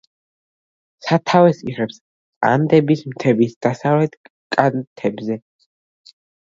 სათავეს იღებს ანდების მთების დასავლეთ კალთებზე.